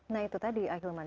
nah itu tadi akhilman